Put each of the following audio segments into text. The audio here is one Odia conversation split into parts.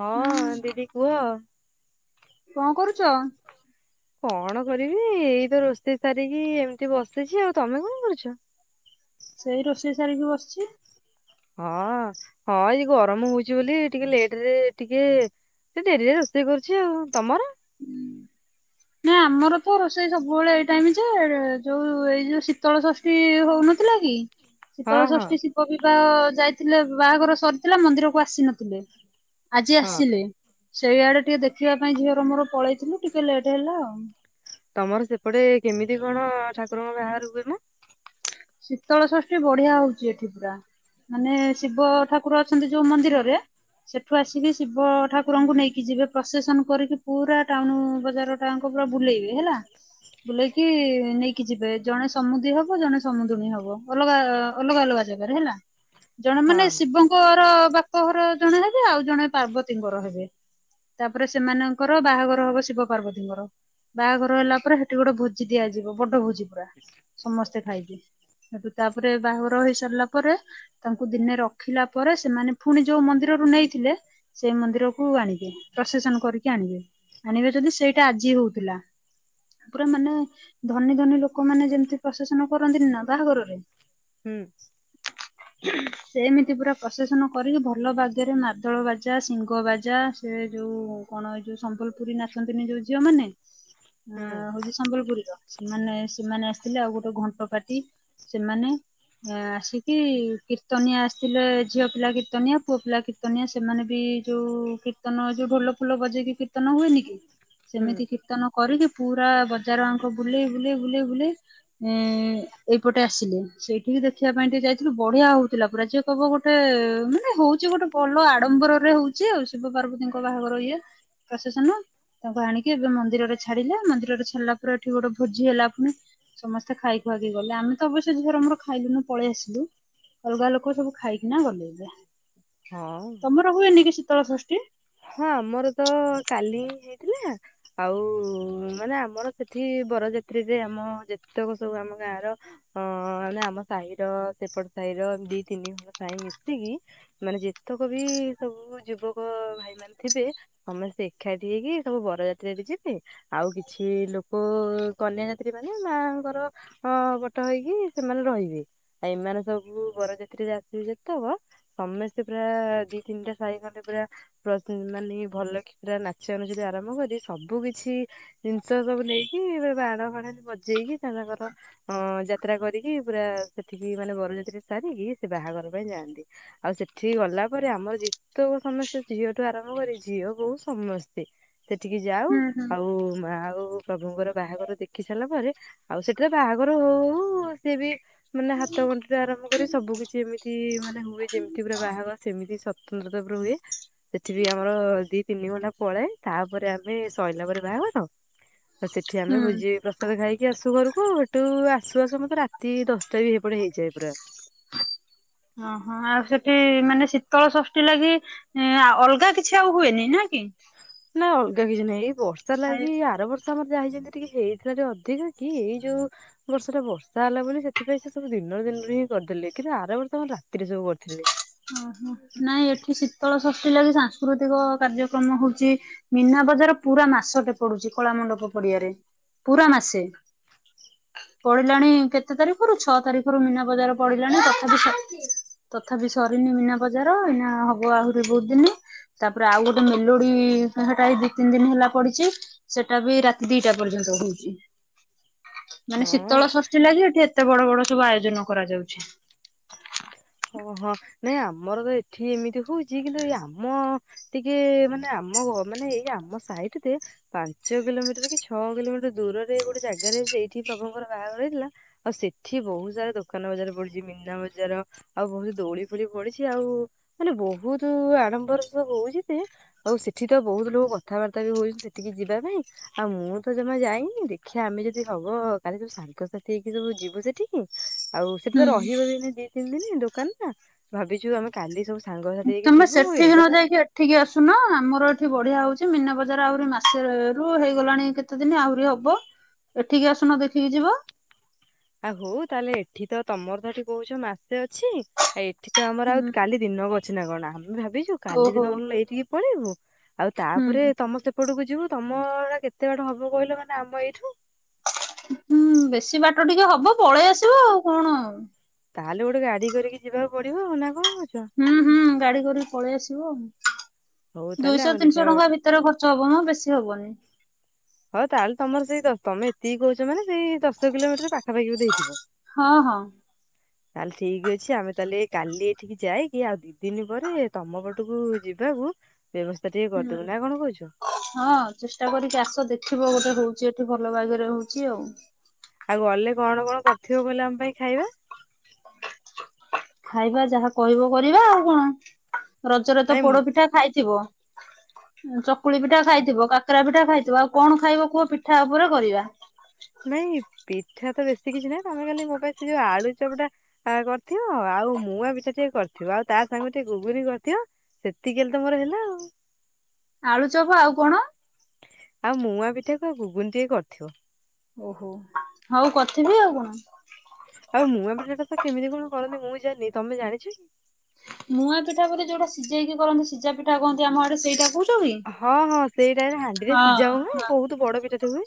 ହଁ ହୁଁ ଦିଦି କୁହ। କଣ କରୁଚ? କଣ କରିବି ଏଇ ତ ରୋଷେଇ ସାରିକି ଏମିତି ବସିଛି ଆଉ। ତମେ କଣ କରୁଛ? ସେଇ ରୋଷେଇ ସାରିକି ବସିଚି। ହଁ ହଁ ଏଇ ଗରମ ହଉଚି ବୋଲି ଟିକେ ଲେଟ୍ ରେ ଟିକେ ସେ ଡେରିରେ ରୋଷେଇ କରୁଛି ଆଉ ତମର? ହୁଁ। ନାଁ ଆମର ତ ରୋଷେଇ ସବୁବେଳେ ଏଇ ଟାଇମ ଯେ ଯୋଉ ଏଇ ଯୋଉ ଶୀତଳ ଷଷ୍ ଷ୍ଠି ହଉନଥିଲା କି। ହଁ ହଁ ଶୀତଳଷଷ୍ଠୀ ଶିବ ବିବାହ ଯାଇଥିଲେ ବାହାଘର ସରିଥିଲା ମନ୍ଦିରକୁ ଆସି ନଥିଲେ। ଆଜି ହଁ ଆସିଲେ ସେଇଆଡେ ଟିକେ ଦେଖିବା ପାଇଁ ଝିଅର ମୋର ପଳେଇଥିଲୁ ଟିକେ ଲେଟ୍ ହେଲା ଆଉ। ତମର ସେପଟେ କେମିତି କଣ ଠାକୁରଙ୍କ ବାହାଘର ହୁଏ ମଁ? ଶୀତଳ ଷଷ୍ଠୀ ବଢିଆ ହଉଚି ଏଠି ପୁରା। ମାନେ ଶିବ ଠାକୁର ଅଛନ୍ତି ଯୋଉ ମନ୍ଦିରରେ ସେଠୁ ଆସିକି ଶିବ ଠାକୁରଙ୍କୁ ନେଇକି ଯିବେ ପ୍ରଶେସନ୍ କରିକି ପୁରା ଟାଉନ ବଜାର ତାଙ୍କୁ ପୁରା ବୁଲେଇବେ ହେଲା ବୁଲେଇକି ନେଇକି ଯିବେ ଜଣେ ସମୁଦି ହବ ଜଣେ ସମୁଦୁଣୀ ହବ ଅଲଗା ଅଲଗା ଅଲଗା ଜାଗାରେ ହେଲା ଜଣେ ମାନେ ହଁ ଶିବ ଙ୍କର ବାପଘର ଜଣେ ହେବେ ଆଉ ଜଣେ ପାର୍ବତୀଙ୍କର ହେବେ। ତାପରେ ସେମାନଙ୍କର ବାହାଘର ହବ ଶିବ-ପାର୍ବତୀଙ୍କର। ବାହାଘର ହେଲା ପରେ ସେଠି ଗୋଟେ ଭୋଜି ଦିଆଯିବ ବଡ ଭୋଜି ପୁରା। [unintelligible] ସମସ୍ତେ ଖାଇବେ ସେଠୁ ତାପରେ ବାହାଘର ହେଇ ସାରିଲା ପରେ ତାଙ୍କୁ ଦିନେ ରଖିଲା ପରେ ସେମାନେ ଫୁଣି ଯୋଉ ମନ୍ଦିରରୁ ନେଇଥିଲେ ସେଇ ମନ୍ଦିରକୁୁ ଆଣିବେ ପ୍ରଶେସନ କରିକି ଆଣିବେ। ଆଣିବେ ଯଦି ସେଇଟା ଆଜି ହଉଥିଲା। ପୁରା ମାନେ ଧନୀ ଧନୀ ଲୋକମାନେ ଯେମିତି ପ୍ରଶେସନ କରନ୍ତିନି ନା ବାହାଘରରେ ହୁଁ। ସେମିତି ପୁରା ପ୍ରଶେସନ କରିକି ଭଲ ବାଗରେ ମାଦଳ ବାଜା, ଶିଙ୍ଘ ବାଜା ସେ ଯୋଉ କଣ ଏଇ ଯୋଉ ସମ୍ବଲପୁରୀ ନାଚନ୍ତିନି ଯୋଉ ଝିଅ ମାନେ ହୁଁ ଆଁ ହଉଚି ସମ୍ବଲପୁରୀର ସେମାନେ ସେମାନେ ଆସିଥିଲେ ଆଉ ଗୋଟେ ଘଣ୍ଟ ପାର୍ଟି ସେମାନେ ଆସିକି କୀର୍ତ୍ତନିଆ ଆସିଥିଲେ ଝିଅ ପିଲା କୀର୍ତ୍ତନିଆ ପୁଅ ପିଲା କୀ କୀର୍ତ୍ତନିଆ ସେମାନେ ବି ଯୋଉ କୀର୍ତ୍ତନ ଯୋଉ ଢୋଲ ଫୋଲ ବଜେଇକି କୀର୍ତ୍ତନ ହୁଏନି କି ହୁଁ ସେମିତି କୀର୍ତ୍ତନ କରିକି ପୁରା ବଜାର ଆଙ୍କ ବୁଲେଇ ବୁଲେଇ ବୁଲେଇ ବୁଲେଇ ଏଁ ଏଇପଟେ ଆସିଲେ ସେଇଠିକି ଦେଖିବା ପାଇଁ ଟିକେ ଯାଇଥିଲୁ ବଢିଆ ହଉଥିଲା ପୁରା ଯିଏ କହିବ ଗୋଟେ ମାନେ ହଉଚି ଗୋଟେ ଭଲ ଆଡମ୍ବର ରେ ହଉଚି ଆଉ ଶିବ-ପାର୍ବତୀଙ୍କ ବାହାଘର ଇଏ ପ୍ରଶେସନ୍। ତାଙ୍କୁ ଆଣିକି ଏବେ ମନ୍ଦିର ଛାଡିଲେ ମନ୍ଦିର ରେ ଛାଡିଲା ପରେ ଏଠି ଗୋଟେ ଭୋଜି ହେଲା ଫୁଣି। ସମସ୍ତେ ଖାଇ ଖୁଆକି ଗଲେ ଆମେ ତ ଅବଶ୍ୟ ଝିଅର ମୋର ଖାଇଲୁନୁ ପଳେଇ ଆସିଲୁ। ଅଲଗା ଲୋକ ସବୁ ଖାଇକିନା ଗଲେ ଯାଃ। ହଁ। ତମର ହୁଏନି କି ଶୀତଳଷଷ୍ଠୀ? ହଁ ଆମର ତ କାଲି ହେଇଥିଲା ଆଉ ମାନେ ଆମର ସେଠି ବରଯାତ୍ରୀରେ ଆମ ଯେତେକ ସବୁ ଆମ ଗାଁର ଅଁ ମାନେ ଆମ ସାହିର ସେପଟ ସାହିର ଦି ତିନି ଖଣ୍ଡ ସାହି ମିଶିକି ମାନେ ଯେତକ ବି ସବୁ ଯୁବକ ଭାଇ ମାନେ ଥିବେ ସମସ୍ତେ ଏକାଠି ହେଇକି ସବୁ ବରଯାତ୍ରୀରେ ଯିବେ ଆଉ କିଛି ଲୋକ କନ୍ୟାଯାତ୍ରୀ ରହିବେ ମାଁ ଙ୍କର ହଁ ବଟ ହେଇକି ସେମାନେ ରହିବେ ଆଉ ଏମାନେ ସବୁ ବରଜାତିରେ ଆସିବେ ଯେତକ ସମସ୍ତେ ପୁରା ଦି ତିନିଟା ସାହି ଖଣ୍ଡେ ପୁରା ପ୍ରଶେ ମାନେ ଭଲକି ପୁରା ନାଚା ନୁଚି ରୁ ଆରମ୍ଭ କରି ସବୁ କିଛି ଜିନିଷ ସବୁ ନେଇକି ପୁରା ବାଣ ଫାଣ ଏମିତି ବଜେଇକି ତାଙ୍କର ଅଁ ଯାତ୍ରା କରିକି ପୁରା ସେଠିକି ମାନେ ବରଯାତ୍ରୀ ସାରିକି ସେ ବାହାଘର ପାଇଁ ଯାଆନ୍ତି। ଆଉ ସେଠିକି ଗଲା ପରେ ଆମର ଯେତକ ସମସ୍ତେ ଝିଅଠୁ ଆରମ୍ଭ କରି ଝିଅ ବୋହୁ ସମସ୍ତେ ସେଠିକି ଯାଉ ହୁଁ ହୁଁ ଆଉ ମ ଆଉ ପ୍ରଭୁଙ୍କର ବାହାଘର ଦେଖି ସାରିଲା ପରେ ଆଉ ସେଠାରେ ବାହାଘର ହଉ ହଉ ସେ ବି ମାନେ ହାତ ଗଣ୍ଠି ରୁ ଆରମ୍ଭ କରିକି ସବୁ କିଛି ଏମିତି ମାନେ ହୁଏ ଯେମିତି ପୁରା ବାହାଘର ସେମିତି ସତକୁ ସତ ପୁରା ହୁଏ। ସେଠି ବି ଆମର ଦି ତିନି ଘଣ୍ଟା ପଳାଏ ତାପରେ ଆମେ ସଇଲା ପରେ ବାହାଘର ତ ସେଠି ହୁଁ ଆମେ ଭୋଜି ପ୍ର ତ ଖାଇକି ଆସୁ ଘରକୁ ଏଠୁ ଆସୁ ଆସୁ ମତେ ରାତି ଦଶଟା ବି ହେପଟେ ହେଇଯାଏ ପୁରା। ହଁ ହିଁ ଆଉ ସେଠି ମାନେ ଶୀତଳଶଷ୍ଠୀ ଲାଗି ହିଁ ଆ ଅଲଗା କିଛି ଆଉ ହୁଏନି ନା କି? ନା ଅଲଗା କିଛି ନାହିଁ ଏଇ ବର୍ଷା ଖାଇ ଲାଗି ଆର ବର୍ଷ ତମର ଯାହା ଯେମିତି ଟିକିଏ ହେଇଥିଲା ଯୋଉ ଅଧିକା ଟି ଏଇ ଯୋଉ ବର୍ଷରେ ବର୍ଷା ହେଲା ବୋଲି ସେଥିପାଇଁ ସେ ସବୁ ଦିନରେ ଦିନରେ ହିଁ କରିଦେଲେ କିନ୍ତୁ ଆର ବର୍ଷ କଣ ରାତିରେ ସବୁ କରିଥିଲେ। ଓହୋ ନାଇଁ ଏଠି ଶୀତଳ ଷଷ୍ଠୀ ଲାଗି ସାଂସ୍କୃତିକ କାର୍ଯ୍ୟକ୍ରମ ହଉଛି। ମୀନା ବଜାର ପୁରା ମାସଟେ ପଡୁଛି କଳା ମଣ୍ଡପ ପଡିଆରେ ପୁରା ମାସେ। ପଢିଲାଣି କେତେ ତାରିଖରୁ ଛଅ ତାରିଖରୁ ମୀନା ବଜାର ପଢିଲାଣି ତଥାପି ତଥାପି ସରିନି ମିନା ବଜାର ଏଇନା ହବ ଆହୁରି ବହୁତ ଦିନ। ତାପରେ ଆଉ ଗୋଟେ ମେଲୋଡି ସେଟା ବି ଦି ତିନି ଦିନ ହେଲା ପଡିଛି। ସେଟା ବି ରାତି ଦିଟା ପର୍ଯ୍ୟନ୍ତ ହଉଛି। ମାନେ ହଁ ଶୀତଳ ଷଷ୍ଠୀ ଲାଗି ଏଠି ଏତେ ବଡ ବଡ ସବୁ ଆୟୋଜନ କରାଯାଉଛି। ଓ ହୋ ନାଇଁ ଆମର ତ ଏଠି ଏମିତି ହଉଛି କିନ୍ତୁ ଏ ଆମ ଟିକେ ମାନେ ଆମ ମାନେ ଏଇ ଆମ ସାଇଟ ପାଞ୍ଚ କିଲୋମିଟର କି ଛଅ କିଲୋମିଟର ଦୂରରେ ଗୋଟେ ଜାଗାରେ ସେଇଠି ପ୍ରଭୁଙ୍କର ବାହାଘର ହେଇଥିଲା। ଆଉ ସେଠି ବହୁତ ସାରା ଦୋକାନ ବଜାର ପଡିଛି ମୀନା ବଜାର। ଜାର ଆଉ ବହୁତ ଦୋଳି ଫୋଳି ପଡିଛି ଆଉ। ମାନେ ବହୁତ ଆଡମ୍ବର ସବୁ ହଉଛି ସେ ହଉ ସେଠି ତ ବହୁତ ଲୋକ କଥାବାର୍ତ୍ତା ବି ହଉଛନ୍ତି ସେଠିକି ଯିବା ପାଇଁ। ଆଉ ମୁଁ ତ ଜମା ଯାଇନି ଦେଖିବା ଆମେ ଯଦି ହବ କାଲି ସବୁ ସାଙ୍ଗସାଥି ହେଇକି ସବୁ ଯିବୁ ସେଠିକି। ଆଉ ସେଠି ତ ହୁଁ ରହିବ ବି ନାଇଁ ଦି ତିନି ଦିନ ଦୋକାନ ନା ଭାବିଛୁ ଆମେ କାଲି ସବୁ ସାଙ୍ଗସାଥି ହେଇକି ଯିବୁ ଏଇଟା ତ ଠିକ ଆସୁନ ଆମର ଏଠି ବଢିଆ ହଉଛି ମିନା ବଜାର ଆହୁରି ମାସେ ରୁ ହେଇଗଲାଣି କେ କେତେ ଦିନ ଆହୁରି ହବ ଏଠିକି ଆସୁନ ଦେଖିକି ଯିବ। ଆଉ ହଉ ତାହେଲେ ଏଠି ତ ତମର ତଠି କହୁଛ ମାସେ ଅଛି ଆ ଏଠି ତ ଆମର ଆଉ ହୁଁ କାଲି ଦିନ ଅଛି ନା କଣ ଆମେ ଭାବିଛୁ କାଲି ଓହୋ ଦିନ ନେଇଠିକି ପଳେଇବୁ ଆଉ ତାପରେ ହୁଁ ତମ ସମସ୍ତେ ଏପଟକୁ ଯିବୁ ତମ ଟା କେତେ ବାଟ ହବ କହିଲ ମାନେ ଆମ ଏଇଠୁ? ହୁଁ ବେଶୀ ବାଟ ଟିକେ ହବ ପଳେଇ ଆସିବ ଆଉ କଣ। ତାହେଲେ ଗୋଟେ ଗାଡି କରିକି ଯିବାକୁ ପଡିବ ଆଉ ନା କଣ କହୁଛ? ହୁଁ ହୁଁ ଗାଡି କରିକି ପଳେଇ ଆସିବ ହଉ ତାହେଲେ ଦୁଇଶହ ଆମେ ତିନିଶହ ଦେଖିବା ଟଙ୍କା ଭିତ ତର ଖର୍ଚ ହବମ ବେଶୀ ହବନି। ହଉ ତାହେଲେ ତମର ସେଇ ତମେ ଏତିକି କହୁଛ ମାନେ ସେଇ ଦଶ କିଲୋମିଟର ପାଖାପାଖି ବଧେ ହେଇଥିବ। ହଁ ହଁ। ତାହେଲେ ଠିକ୍ ଅଛି ଆମେ ତାହେଲେ କାଲି ଏଠିକି ଯାଇକି ଆଉ ଦି ଦିନି ପରେ ତମ ପଟକୁ ଯିବାକୁ ବ୍ୟବସ୍ଥା ଟିକେ ହୁଁ କରିଦବୁ ନା କଣ କହୁଚୁ? ହଁ ଚେଷ୍ଟା କରିକି ଆସ ଦେଖିବ ଗୋଟେ ହଉଚି ଏଠି ଭଲ ଭାଗରେ ହଉଚି ଆଉ। ଆଉ ଗଲେ କଣ କଣ କରିଥିବୁ କହିଲେ ଆମ ପାଇଁ ଖାଇବା? ଖାଇବା ଯାହା କହିବ କରିବା ଆଉ କଣ ରଜରେ ତ ନାଇଁ ପୋଡ ମ- ପିଠା ଖାଇଥିବ? ହ [inaudible] ଚକୁଳି ପିଠା ଖାଇଥିବ କାକରା ପିଠା ଖାଇଥିବ ଆଉ କଣ ଖାଇବ କୁହ ପିଠା ଉପରେ କରିବା। ନାଇଁ ପିଠା ତ ବେଶୀ କିଛି ନାାଇଁ ତମେ ଖାଲି ମୋ ପାଇଁ ସେ ଯୋଉ ଆଳୁଚପ୍ ଟା ଆ କରିଥିବ ଆଉ ମୁୂଆଁ ପିଠା ଟିକେ କରିଥିବ ଆଉ ତା ସାଙ୍ଗକୁ ଟିକେ ଘୁଗୁନି କରିଥିବ ସେତିକି ରେ ତ ମୋର ହେଲା ଆଉ। ଆଳୁଚପ୍ ଆଉ କଣ? ଆଉ ମୁୂଆଁ ପିଠା କ ଆ ଘୁଗୁନି ଦେଇ କରିଥିବ। ଓହୋ ହଉ କରିଥିବିଁ ଆଉ କଣ। ଆଉ ମୁଁ ପିଠା ଟା ତ କେମିତି କଣ କରନ୍ତି ମୁଁ ଜାଣିନି ତମେ ଜାଣିଛ କି? ମୁଆଁ ପିଠା ବୋଧେ ଯୋଉଟା ସିଜେଇକି କରନ୍ତିି ସିଜାପିଠା କହନ୍ତି ଆମ ଆଡେ ସେଇଟାକୁ କହୁଚୁ ହଁ ହଁ ସେଇଟାରେ ହାଣ୍ଡି ରେ ସିଜା ହୁଏ ହଁ ବହୁତ୍ ବଡ ପିଠା ଟେ ହୁଏ।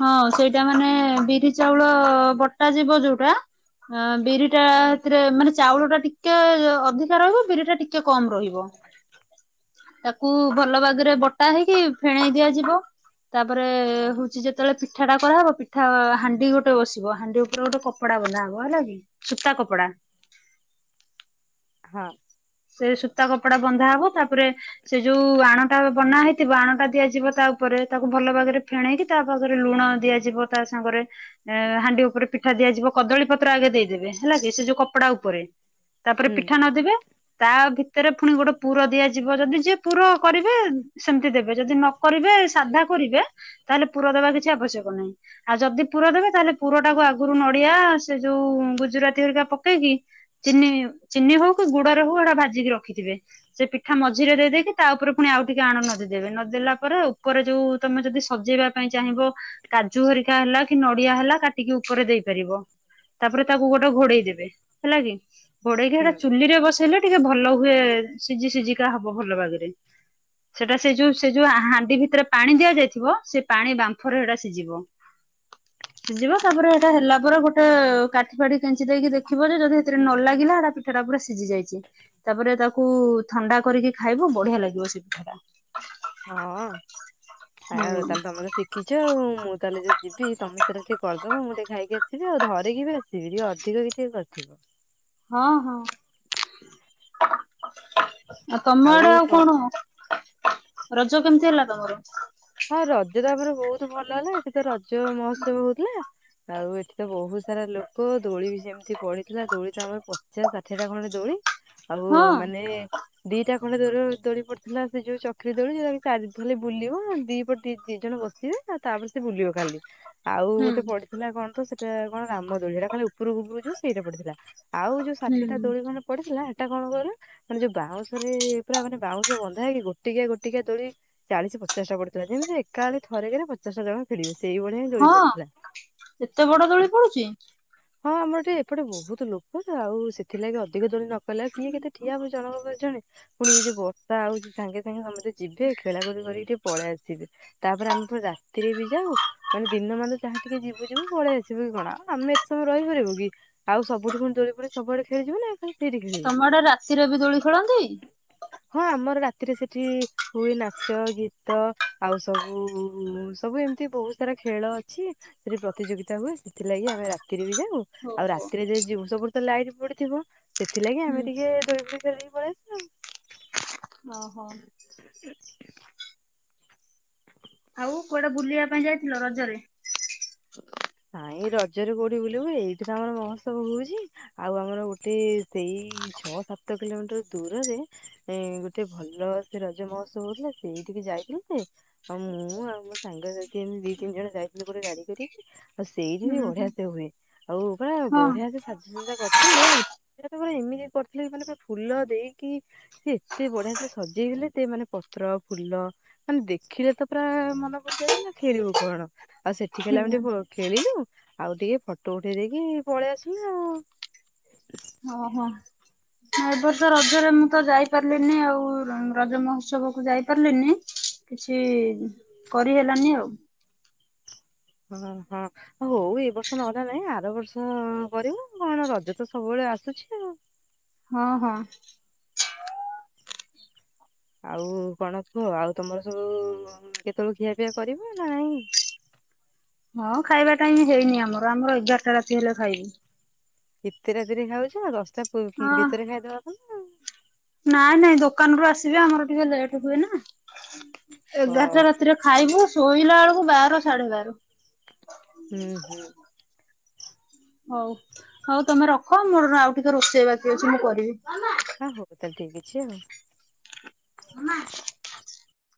ହଁ ସେଇଟା ମାନେ ବିରି ଚାଉଳ ବଟା ଯିବ ଯୋଉଟା ହ ବିରି ଟା ସେଥିରେ ମାନେ ଚାଉଳ ଟା ଟିକେ ଅଧିକା ରହିବ ବିରି ଟା ଟିକେ କମ୍ ରହିବ। ତାକୁ ଭଲ ଭାଗରେ ବଟା ହେଇକି ଫେଣେଇ ଦିଆଯିବ। ତାପରେ ହଉଚି ଯେତେବେଳେ ପିଠା ଟା କରାହେବ ପିଠା ହାଣ୍ଡି ଗୋଟେ ବସିବ ହାଣ୍ଡି ଉପରେ ଗୋଟେ କପ ଡ଼ା ବନ୍ଧା ହବ ହେଲା କିି ସୁତା କପଡା। ହଁ। ସେ ସୂତା କପଡା ବନ୍ଧା ହବ ତାପରେ ସେ ଯୋଉ ଆଣଟା ବନା ହେଇଥିବ ଆଣଟା ଦିଆଯିବ ତା ଉପରେ ତାକୁ ଭଲ ଭାଗରେ ଫେଣେଇକି ତା ପାଖରେ ଲୁଣ ଦିଆଯିବ ତା ସାଙ୍ଗରେ ହାଣ୍ଡି ଉପରେ ପିଠା ଦିଆଯିବ କଦଳୀ ପତ୍ର ଆଗେ ଦେଇଦେବେ ହେଲା କି ସେ ଯୋଉ କପଡା ଉପରେ ତାପରେ ହୁଁ ପିଠା ନଦିବେ ତା ଭିତରେ ପୁଣି ଗୋଟେ ପୁର ଦିଆଯିବ ଯଦି ଯିଏ ପୁର କରିବେ ସେମିତି ଦେବେ ଯଦି ନ କରିବେ ସାଧା କରିବେ ତାହେଲେ ପୁର ଦେବା କିଛି ଆବଶ୍ୟକ ନାହିଁ। ଆଉ ଯଦି ପୁର ଦେବେ ତାହେଲେ ପୁରଟାକୁ ଆଗରୁ ନଡିଆ ସେ ଯୋଉ ଗୁଜୁରାତି ହରିକା ପକେଇକି ଚିନି ଚିନି ହଉ କି ଗୁଡରେ ହଉ ଏଇଟା ଭାଜିକି ରଖିଥିବେ ସେ ପିଠା ମଝିରେ ଦେଇଦେଇକି ତା ଉପରେ ପୁଣି ଆଉ ଟିକେ ଆଣ ନଦିଦେବେ ନଦ୍ ଦେଲା ପରେ ଉପରେ ଯୋଉ ତମେ ଯଦି ସଜେଇବା ପାଇଁ ଚାହିଁବ କାଜୁ ହରିକା ହେଲା କି ନଡିଆ ହେଲା କାଟିକି ଉପରେ ଦେଇ ପାରିବ ତାପରେ ତାକୁ ଗୋଟେ ଘୋଡେଇ ଦେବେ ହେଲା କି ଘୋଡେଇକି ହୁଁ। ସେଟା ଚୁଲି ରେ ବସେଇଲେ ଟିକେ ଭଲ ହୁଏ ସିଜି ସିଜିକା ହବ ଭଲ ବାଗରେ ସେଟା ସେ ଯୋଉ ସେ ଯୋଉ ହାଣ୍ଡି ଭିତରେ ପାଣି ଦିଆଯାଇଥିବ ସେ ପାଣି ବାମ୍ଫରେ ସେଟା ସିଜିବ। ସିଜିବ ତାପରେ ସେଟା ହେଲା ପରେ ଗୋଟେ କାଠି ଫାଠି କେଞ୍ଚି ଦେଇକି ଦେଖିବ ଯେ ଯଦି ସେଥିରେ ନ ଲାଗିଲା ସେଟା ସେଟା ପୁରା ସିଜି ଯାଇଚି ତାପରେ ତାକୁ ଥଣ୍ଡା କରିକି ଖାଇବ ବଢିଆ ଲାଗିବ ସେ ପିଠା ଟା। ହଁ ଖାୟା ଆଉ ହୁଁ ତାହେଲେ ତମେ ତ ଶିଖ ଚ ଆଉ ମୁଁ ତାହେଲେ ଯଦି ଯିବି ତମେ ସେଇଟା ଟିକେ କରିଦବ ମୁଁ ଟିକେ ଖାଇକି ଆସିବି ଆଉ ଧରିକି ସେ ଟିକେ ଅଛି ଯଦି କିଏ କରିଥିବ। ହଁ ହଁ ଆଉ ତମ ଆଡେ ଆଉ କଣ? ରଜ କେମିତି ହେଲା ତମର? ହଁ ରଜ ତାପରେ ବହୁତ ଭଲ ହେଲା ଏଠ ତ ରଜ ମହୋତ୍ସବ ହଉଥିଲା। ଆଉ ଏଠି ତ ବହୁତ୍ ସାରା ଲୋକ ଦୋଳି ବି ଯେମିତି ପଡିି଼ଥିଲା ଦୋଳି ତ ଆମର ପଚାଶ ଷାଠିଏଟା ଖଣ୍ଡେ ଦୋଳି ଆଉ ହଁ ମାନେ ଯେ ଦିଟା ଖଣ୍ଡେ ଦୋ ଦୋଳି ପଡ଼ିଥିଲା ସେ ଯୋଉ ଚକ୍ରି ଦୋଳି ଯଉଟା ଚାରି ବୁଲିବ। ଦି ପଟି ଦି ଜଣ ବସିବେ ଆଉ ତାପରେ ସେ ବୁଲିବ ଖାଲି ଆଉ ହୁଁ ଗୋଟେ ପଡ଼ି ଥିଲା କଣ ତ ସେଟା କଣ ରାମ ଦୋଳି ହେଟା ଖାଲି ଉପୁରୁକୁ ଉପୁରୁକୁ ଜିବ ସେଇଟା ପଡ଼ିଥିଲା ଆଉ ଯଉ ହୁଁ ଷାଠିଟା ଦୋଳି ମାନେ ପଡ଼ିଥିଲା ହେଟା କଣ କରୁ ମାନେ ଯୋଉ ବାଉଁଶରେ ପୁରା ମାନେ ବାଉଁଶ ବନ୍ଧା ହେଇକି ଗୋଟିକିଆ ଗୋଟିକିଆ ଦୋଳି ଚାଳିଶ ପଚାଶ ଟା ପଡି଼ ଯେମିତି ଏକାବଳେ ଥରେ କେରେ ପଚାଶଟା ଯାକ ଖେଳିବେ ସେଇଭଳିଆ। ହଁ ଏତେ ବଡ ଦୋଳି [unintelligible] ପଡୁଛି? ହଁ ଆମର ଟିକେ ଏପଟେ ବହୁତ ଲୋକ ଆଉ ସେଥିଲାଗି ଅଧିକ ଦଳି ନକ କହିଲ କିଏ କେତେ ଠିଆ ହବ ଜଣକ ପରେ ଜଣେ ପୁଣି ଇଏ ଯଉ ବର୍ଷା ହଉଛି ସାଙ୍ଗେ ସାଙ୍ଗେ ସମସ୍ତେ ଯିବେ ଖେଳା ଖୁଳି କରିକି ଟିକେ ପଳେଇ ଆସିବେ ତାପରେ ଆମେ ପଣି ରା ରାତିରେ ବି ଯାଉ ମାନେ ଦିନ ମାନ ତ ଯାହା ଟିକେ ଯିବୁ ଯିବୁ ପଳେଇ ଆସିବୁ କି କଣ ଆଉ ଆମେ ଏତେ ସମୟ ରହିପାରିବୁ କି? ଆଉ ସବୁଠି କଣ ଦୋଳି ଫୋଳି ସବୁଆଡ଼େ ଖେଳିଯିବ ନା। ଖାଲି ସେଇଠି ଖେଳିବୁ। ତମ ଆଡ଼େ ରାତିରେ ବି ଦୋଳି ଖେଳନ୍ତି? ହଁ ଆମର ରାତିରେ ସେଠି ହୁଏ ନାଚ ଗୀତ ଆଉ ସବୁ ସବୁ ଏମିତି ବହୁତ ସାରା ଖେଳ ଅଛି। ସେଠି ପ୍ରତିଯୋଗିତା ହୁଏ ସେଥିଲାଗି ଆମେ ରାତିରେ ବି ଯାଉ। ଆଉ ଓହୋ ରାତିରେ ଯ ଜଉଁ ସବୁ ତ ଲାଇଟ୍ ପଡି଼ଥିବ ସେଥିଲାଗି ଆମେ ହୁଁ। ଟିକେ ଦୋଳି ଫୋଳି ଫେରିକି ପଳେଇଆସିଲ। ଓହୋ। [inaudible] ଆଉ କୁଆଡ଼େ ବୁଲିବା ପାଇଁ ଯାଇଥିଲ ରଜରେ? ନାଇଁ ରଜରେ କୋଉଠି ବୁଲିବୁ ଏଇଠି ତ ଆମର ମସ୍ତ ହଉଚି। ଆଉ ଆମର ଗୋଟେ ସେଇ ଛଅ ସାତ କିଲୋମିଟର ଦୂରରେ ଗୋଟେ ଭଲ ସେ ରଜ ମହୋତ୍ସ ହଉଥିଲା ସେଇ ଠିକି ଯାଇଥିଲୁ ଯେ ହଁ ମୁଁ ଆଉ ମୋ ସାଙ୍ଗସାଥି ଏମତି ଦି ତିନି ଜଣ ଯାଇଥିଲୁ ଗୋଟେ ଗାଡି଼ କରିକି। ଆଉ ସେଇଠି ହୁଁ ବି ବଢିଆ ହୁଁ ସେ ହୁଏ ଆଉ ବା ହଁ ବଢିଆ ସେ ସାଜାସଜା କରିଥିଲେ ଆଉ। ସେ ତ ପୁରା ଏମିତି କରିଥିଲେ ମାନେ ଫୁଲ ଦେଇକି। ସେ ଏତେ ବଢିଆ ସେ ସଜେଇଥିଲେ ସେ ମାନେ ପତ୍ର ଫୁଲ ମାନେ ଦେଖିଲେ ତ ପୁରା ମନ ପୁରୀଯାଉଥିଲା ଖେଳିବୁ କଣ ଆଉ ସେଠିକି ହେଲେ ଆମେ ହୁଁ ଟିକେ। ଖେଳିଲୁ ଆଉ ଟିକେ ଫଟୋ ଉଠେଇ ଦେଇେଇକି ପଳେଇ ଆସିଲୁ ଆଉ। ଓହୋ।। ଏବର୍ଷ ରଜରେ ମୁଁ ତ ଯାଇପାରିଲିନି ଆଉ ରଜ ମହୋତ୍ସବ କୁ ଯାଇପାରିଲିନି। କିଛି କରିହେଲାନି ଆଉ। ହଁ, ହଁ। ହଉ ଏ ବର୍ଷ ନହଲା ନାହିଁ ଆର ବର୍ଷ କରିବୁ କଣ ରଜ ତ ସବୁବେଳେ ଆସୁଛି। ଆଉ। ହଁ, ହଁ। ଆଉ କଣ କୁହ ଆଉ ତମର ସବୁ କେତେବେଳେ ଖିଆପିଆ କରିବ ନା ନାହିଁ। ହଁ ଖାଇବା ଟାଁ ହେଇନି ଆମର ଆମର ଏଗାରଟା ରାତି ହେଲେ ଖାଇବୁ। ଏତେ ରାତିରେ ଖାଉଚ ଆଉ ଦଶଟା ହଁ ଭିତରେ ଖାଇଦବା କଥା ନାଁ। ନାଇଁ ନାଇଁ ଦୋକାନ ରୁ ଆସିବେ ଆମର ଟିକେ ଲେଟ ହୁଏ ନା ହଁ ଏଗାରଟା ରାତିରେ ଖାଇବୁ ଶୋଇଲା ବେଳକୁ ବାର ସାଢେ ବାର। ହୁଁ, ହୁଁ। ହଉ, ହଉ ତମେ ରଖ। ମୋର ଆଉ ଟିକେ ରୋଷେଇ ବାକି ଅଛି ମୁଁ କରିବି। ହଁ, ହଉ ତାହେଲେ ଠିକ୍ ଅଛି ଆଉ। ମାମା।